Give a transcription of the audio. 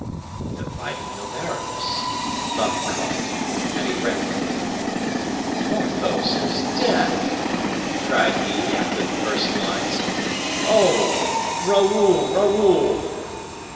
"The writing of Aramis," thought the comte; and he read. "Porthos is dead!" cried he, after the first lines. "Oh! Raoul, Raoul!